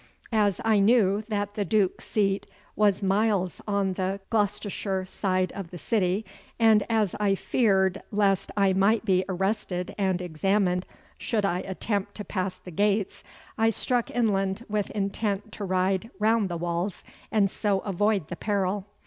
As I knew that the Duke's seat was miles on the Gloucestershire side of the city, and as I feared lest I might be arrested and examined should I attempt to pass the gates, I struck inland with intent to ride round the walls and so avoid the peril.